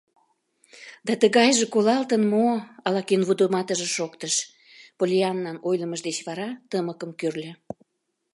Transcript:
— Да тыгайже колалтын мо? — ала-кӧн вудыматымыже шоктыш, Поллианнан ойлымыж деч вара тымыкым кӱрльӧ.